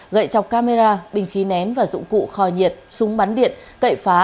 gậy chọc camera bình khí nén và dụng cụ kho nhiệt súng bắn điện cậy phá